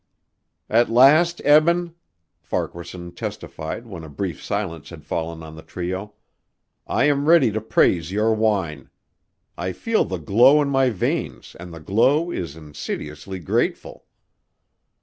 "At last, Eben," Farquaharson testified when a brief silence had fallen on the trio, "I am ready to praise your wine. I feel the glow in my veins and the glow is insidiously grateful."